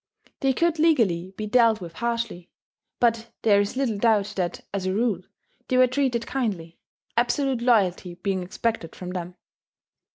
They could legally be dealt with harshly; but there is little doubt that, as a rule, they were treated kindly, absolute loyalty being expected from them.